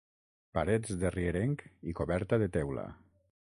Parets de rierenc i coberta de teula.